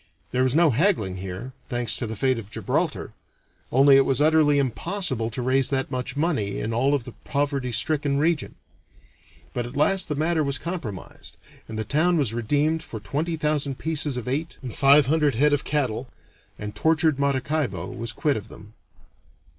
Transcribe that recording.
There was no haggling here, thanks to the fate of Gibraltar; only it was utterly impossible to raise that much money in all of the poverty stricken region. But at last the matter was compromised, and the town was redeemed for twenty thousand pieces of eight and five hundred head of cattle, and tortured Maracaibo was quit of them.